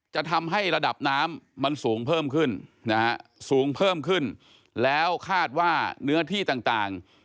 จะทำให้ระดับน้ำมันสูงเพิ่มขึ้นนะฮะสูงเพิ่มขึ้นแล้วคาดว่าเนื้อที่ต่าง